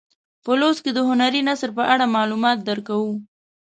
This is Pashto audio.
په لوست کې د هنري نثر په اړه معلومات درکوو.